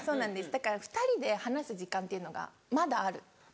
だから２人で話す時間っていうのがまだある。